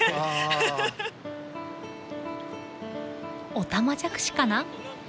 オタマジャクシかな？